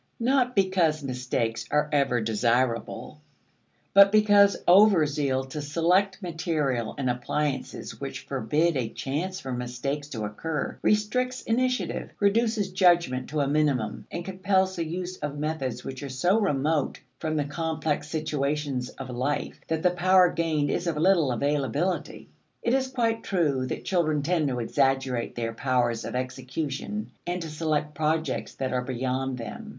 Not because mistakes are ever desirable, but because overzeal to select material and appliances which forbid a chance for mistakes to occur, restricts initiative, reduces judgment to a minimum, and compels the use of methods which are so remote from the complex situations of life that the power gained is of little availability. It is quite true that children tend to exaggerate their powers of execution and to select projects that are beyond them.